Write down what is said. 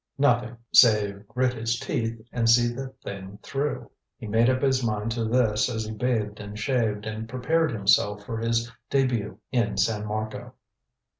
Nothing, save grit his teeth and see the thing through. He made up his mind to this as he bathed and shaved, and prepared himself for his debut in San Marco.